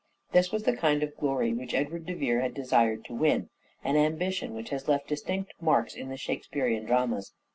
This was the kind of glory which Edward de Vere had desired to win : an ambition which has left distinct marks in the Shake spearean dramas.